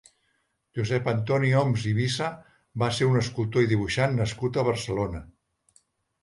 Josep Antoni Homs i Bisa va ser un escultor i dibuixant nascut a Barcelona.